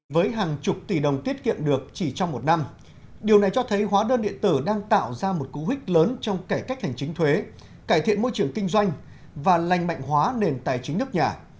với hàng chục tỷ đồng tiết kiệm được chỉ trong một năm điều này cho thấy hóa đơn điện tử đang tạo ra một cú hích lớn trong cải cách hành chính thuế cải thiện môi trường kinh doanh và lành mạnh hóa nền tài chính nước nhà